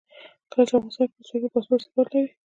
کله چې افغانستان کې ولسواکي وي پاسپورټ اعتبار لري.